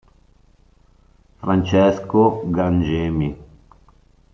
Francesco Gangemi.